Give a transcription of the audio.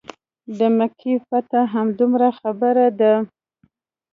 د مکې فتح موهمه خبره ده.